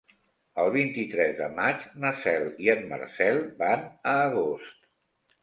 El vint-i-tres de maig na Cel i en Marcel van a Agost.